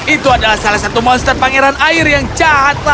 itu adalah salah satu monster pangeran air yang jahat